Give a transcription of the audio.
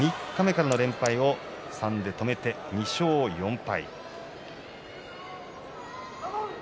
三日目からの連敗を３で止めて２勝４敗。